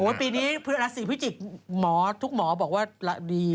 โหปีนี้ราศีพิจิกษ์หมอทุกหมอบอกว่าดี